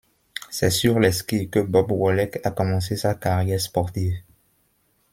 C'est sur les skis que Bob Wollek a commencé sa carrière sportive.